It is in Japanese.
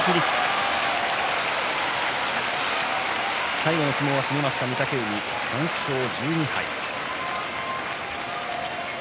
最後の相撲を締めました御嶽海、３勝１２敗です。